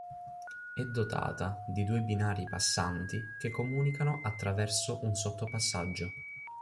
È dotata di due binari passanti che comunicano attraverso un sottopassaggio.